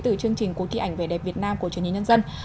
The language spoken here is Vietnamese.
về cuộc thi ảnh về đẹp việt nam của trường nhân dân